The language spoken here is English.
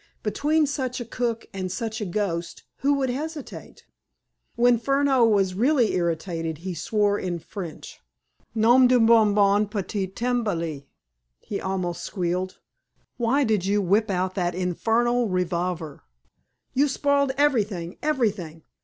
Between such a cook and such a ghost, who would hesitate?" When Furneaux was really irritated, he swore in French. "Nom d'un bon petit homme gris!" he almost squealed, "why did you whip out that infernal revolver? You spoiled everything, everything!